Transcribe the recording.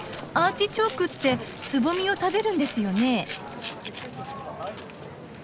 アーティチョークってつぼみを食べるんですよね。